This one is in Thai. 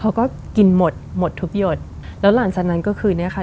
เขาก็กินหมดหมดทุกหยดแล้วหลังจากนั้นก็คือเนี้ยค่ะ